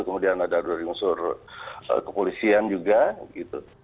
kemudian ada dari unsur kepolisian juga gitu